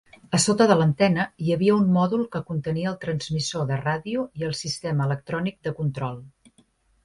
A sota de l'antena hi havia un mòdul que contenia el transmissor de ràdio i el sistema electrònic de control.